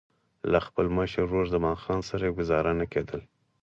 له خپل مشر ورور زمان خان سره یې ګوزاره نه کېدله.